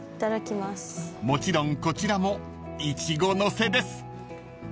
［もちろんこちらもイチゴのせです］